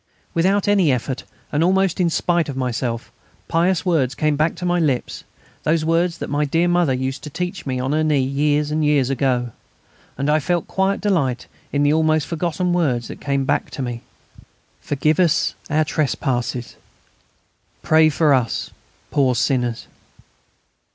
Without any effort, and almost in spite of myself, pious words came back to my lips those words that my dear mother used to teach me on her knee years and years ago. And I felt a quiet delight in the almost forgotten words that came back to me: "Forgive us our trespasses.... Pray for us, poor sinners...."